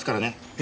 え？